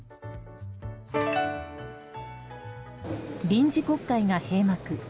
臨時国会が閉幕。